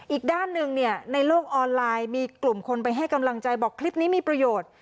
อีกด้านหนึ่งเนี่ยในโลกออนไลน์มีกลุ่มคนไปให้กำลังใจบอกคลิปนี้มีประโยชน์